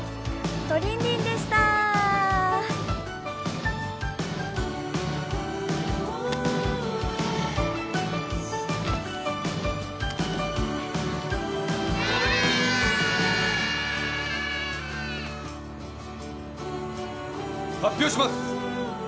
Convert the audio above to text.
トリンリンでしたバイバイ発表します